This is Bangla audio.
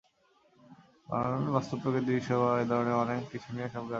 কারণ বাস্তব প্রাকৃতিক দৃশ্য বা এ ধরনের অনেক কিছু নিয়েই ছবি আঁকা হয়ে গেছে।